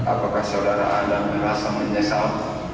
apakah saudara anda merasa menyesal